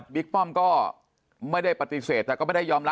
ป้อมก็ไม่ได้ปฏิเสธแต่ก็ไม่ได้ยอมรับ